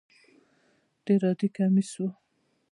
ډېر عادي کمیس و.